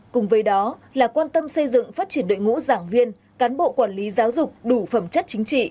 cùng với đó là quan tâm xây dựng phát triển đội ngũ giảng viên cán bộ quản lý giáo dục đủ phẩm chất chính trị